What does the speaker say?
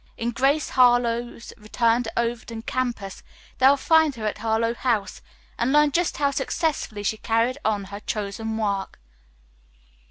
In "Grace Harlowe's Return to Overton Campus" they will find her at Harlowe House and learn just how successfully she carried on her chosen work.